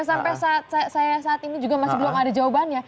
sampai saat ini saya juga masih belum ada jawabannya